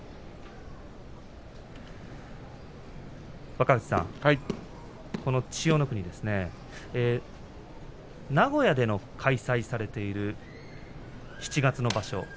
若藤さん、この千代の国ですね名古屋で開催されている七月場所